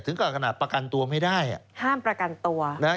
ขนาดประกันตัวไม่ได้อ่ะห้ามประกันตัวนะฮะ